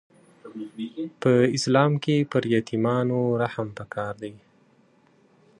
په اسلام کي پر یتیمانو رحم پکار دی.